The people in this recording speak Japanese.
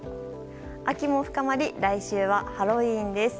秋も深まり来週はハロウィーンです。